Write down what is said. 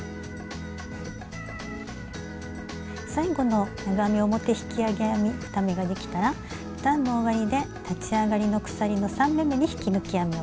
最後の長編み表引き上げ編み２目ができたら段の終わりで立ち上がりの鎖の３目めに引き抜き編みをします。